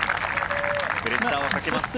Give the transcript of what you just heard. プレッシャーをかけます。